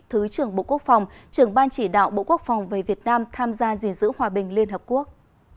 thứ trưởng bộ quốc phòng trưởng ban chỉ đạo bộ quốc phòng về việt nam tham gia gìn giữ hòa bình liên hợp quốc